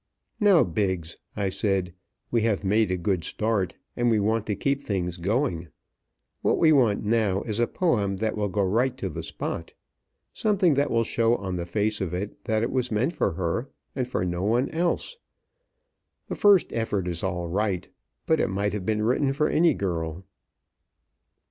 "Now, Biggs," I said, "we have made a good start; and we want to keep things going. What we want now is a poem that will go right to the spot. Something that will show on the face of it that it was meant for her, and for no one else. The first effort is all right, but it might have been written for any girl."